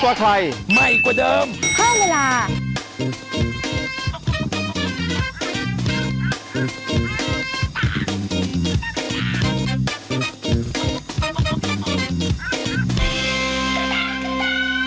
คุณแฟนคุณแฟน